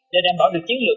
để đem bỏ được chiến lược